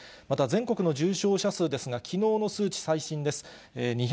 また、全国の重症者数ですが、きのうの数値、最新です。